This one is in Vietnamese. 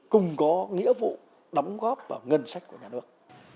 cùng có nghĩa vụ đóng góp vào ngân sách của nhà nước